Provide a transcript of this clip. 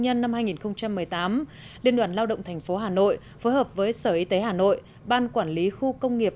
nhân năm hai nghìn một mươi tám liên đoàn lao động tp hà nội phối hợp với sở y tế hà nội ban quản lý khu công nghiệp